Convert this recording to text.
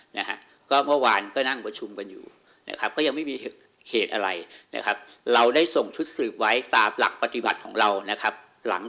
นะฮะก็เมื่อวานก็นั่งประชุมกันอยู่นะครับก็ยังไม่มีเหตุอะไรนะครับเราได้ส่งชุดสืบไว้ตามหลักปฏิบัติของเรานะครับหลัง